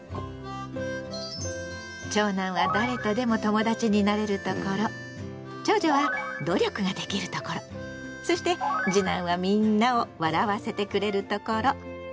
長男は誰とでも友達になれるところ長女は努力ができるところそして次男はみんなを笑わせてくれるところ。